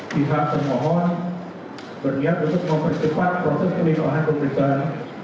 kita semohon berdiat untuk mempercepat proses kelimpahan pemerintahan